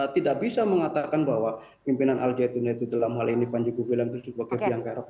tidak bisa mengatakan bahwa pimpinan al zaitun itu dalam hal ini panji gumilang itu sebagai biangkara